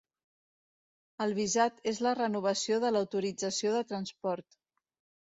El visat és la renovació de l'autorització de transport.